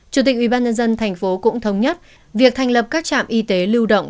chủ tịch ubnd tp cũng thống nhất việc thành lập các trạm y tế lưu động